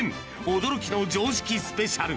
驚きの常識スペシャル。